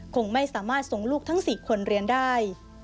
คงไม่สามารถส่งลูกทั้ง๔คนเรียนได้